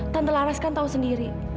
tante laras kan tahu sendiri